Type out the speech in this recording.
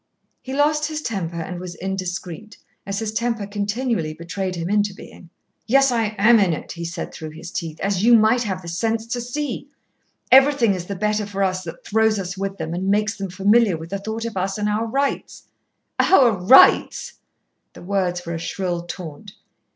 He lost his temper and was indiscreet, as his temper continually betrayed him into being. "Yes, I am in it," he said through his teeth, "as you might have the sense to see. Everything is the better for us that throws us with them, and makes them familiar with the thought of us and our rights." "Our rights," the words were a shrill taunt.